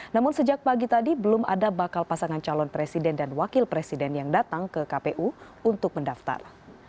namun sejak pagi tadi belum ada bakal pasangan calon presiden dan wakil presiden yang datang ke kpu untuk mendaftar